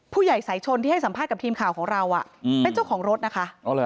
ผู้ใหญ่สายชนที่ให้สัมภาษณ์กับทีมข่าวของเราเป็นเจ้าของรถนะคะ